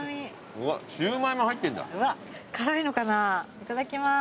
いただきます。